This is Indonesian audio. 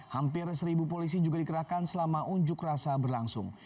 hampir seribu polisi juga dikerahkan selama unjuk rasa berlangsung